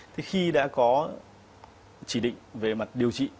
thì khi đã có chỉ định về mặt điều trị